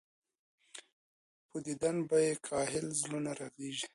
پۀ ديدن به ئې ګهائل زړونه رغيږي